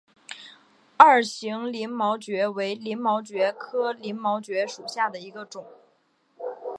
二型鳞毛蕨为鳞毛蕨科鳞毛蕨属下的一个种。